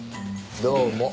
どうも。